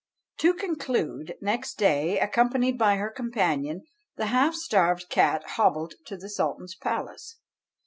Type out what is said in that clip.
To conclude: next day, accompanied by her companion, the half starved cat hobbled to the Sultan's palace.